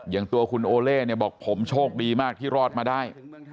อย่างตัวคุณโอเล่เนี่ยบอกผมโชคดีมากที่รอดมาได้